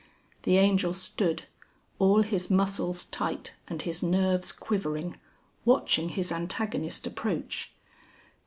The Angel stood, all his muscles tight and his nerves quivering, watching his antagonist approach.